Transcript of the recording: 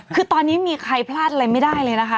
คือตอนนี้มีใครพลาดอะไรไม่ได้เลยนะคะ